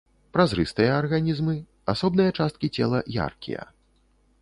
Празрыстыя арганізмы, асобныя часткі цела яркія.